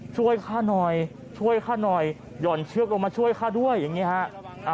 ช่วยฆ่าหน่อยช่วยฆ่าหน่อยหย่อนเชือกลงมาช่วยฆ่าด้วยอย่างนี้ฮะ